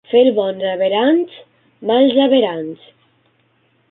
Fer bons averanys, mals averanys.